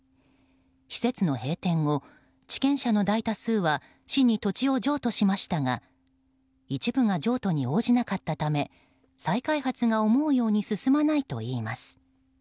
施設の閉店後、地権者の大多数は市に土地を譲渡しましたが一部が譲渡に応じなかったため再開発が思うように進まないといいます。